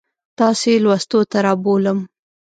تاسو یې لوستو ته رابولم.